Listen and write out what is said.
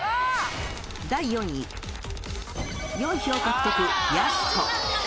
第４位、４票獲得、やす子。